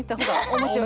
面白い。